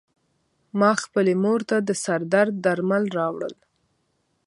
ما خپلې مور ته د سر درد درمل راوړل .